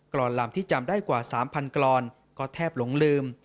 รอนลำที่จำได้กว่า๓๐๐กรอนก็แทบหลงลืม